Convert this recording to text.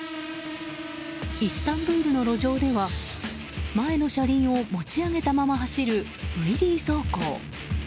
イスタンブールの路上では前の車輪を持ち上げたまま走るウィリー走行。